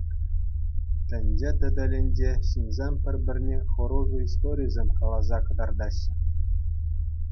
Тӗнче тетелӗнче ҫынсем пӗр-пӗрне хӑрушӑ историсем каласа кӑтартаҫҫӗ.